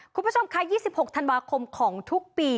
คุณผู้ชมค่ะ๒๖ธันวาคมของทุกปี